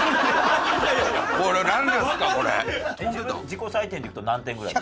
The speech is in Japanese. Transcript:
自己採点でいうと何点ぐらい？